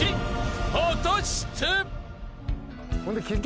［果たして？］